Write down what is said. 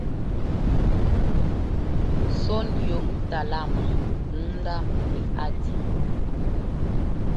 Soni yo utalama munda muli hati.